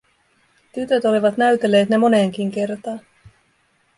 Tytöt olivat näytelleet ne moneenkin kertaan.